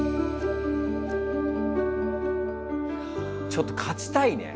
ちょっと勝ちたいね。